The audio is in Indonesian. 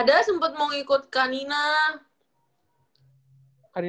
ada sempet mau ngikut kak nina